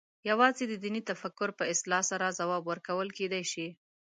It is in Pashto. یوازې د دیني تفکر په اصلاح سره ځواب ورکول کېدای شي.